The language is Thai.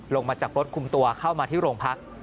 ลงมาจากรถคุมตัวเข้ามาที่โรงพัก